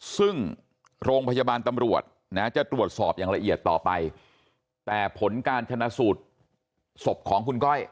ซึ่งโรงพยาบาลตำรวจนะจะตรวจสอบอย่างละเอียดต่อไปแต่ผลการชนะสูตรศพของคุณก้อย